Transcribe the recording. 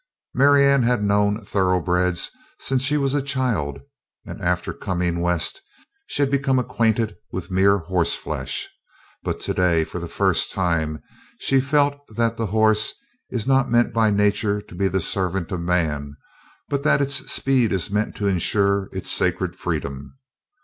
Marianne had known thoroughbreds since she was a child and after coming West she had become acquainted with mere "hoss flesh," but today for the first time she felt that the horse is not meant by nature to be the servant of man but that its speed is meant to ensure it sacred freedom.